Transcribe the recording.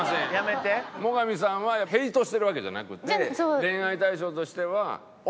最上さんはヘイトしてるわけじゃなくて恋愛対象としては表の顔